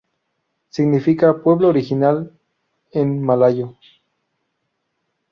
Significa "pueblo original" en malayo.